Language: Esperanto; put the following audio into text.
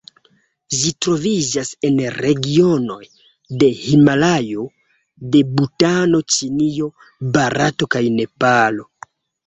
Ĝi troviĝas en regionoj de Himalajo de Butano, Ĉinio, Barato kaj Nepalo.